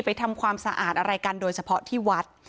ทำความสะอาดอะไรกันโดยเฉพาะที่วัด